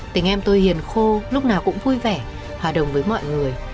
tình em tôi hiền khô lúc nào cũng vui vẻ hòa đồng với mọi người